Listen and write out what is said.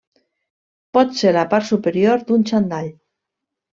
Pot ser la part superior d'un xandall.